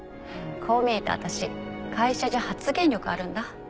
こう見えて私会社じゃ発言力あるんだ。